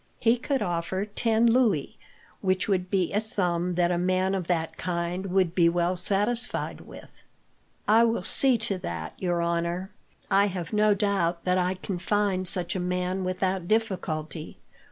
He could offer ten louis, which would be a sum that a man of that kind would be well satisfied with." "I will see to that, your honour. I have no doubt that I can find such a man without difficulty.